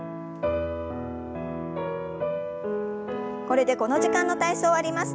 これでこの時間の体操終わります。